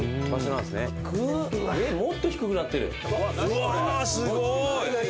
うわすごい！